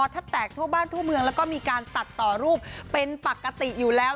แทบแตกทั่วบ้านทั่วเมืองแล้วก็มีการตัดต่อรูปเป็นปกติอยู่แล้ว